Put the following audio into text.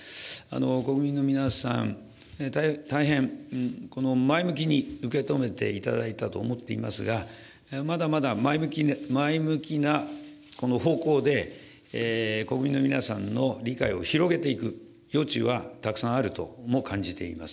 国民の皆さん、大変前向きに受け止めていただいたと思っていますが、まだまだ前向きな方向で、国民の皆さんの理解を広げていく余地はたくさんあるとも感じています。